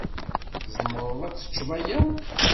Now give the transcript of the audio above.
Tzemreḍ ad teččeḍ aya?